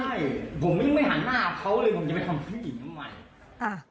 ใช่ผมยังไม่หาหน้าเขาเลยผมจะไปทำผู้หญิงทำไม